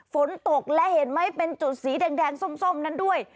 ฝนตกและเห็นไหมเป็นจุดสีแดงส้มนั้นด้วย